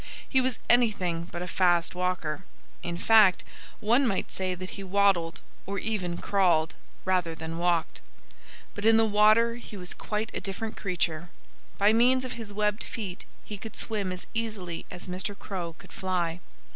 He was anything but a fast walker. In fact, one might say that he waddled, or even crawled, rather than walked. But in the water he was quite a different creature. By means of his webbed feet he could swim as easily as Mr. Crow could fly.